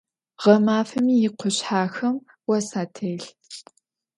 Ğemafemi yikhuşshexem vos atêlh.